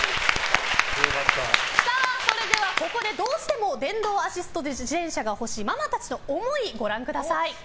それではここでどうしても電動アシスト自転車が欲しいママたちの思い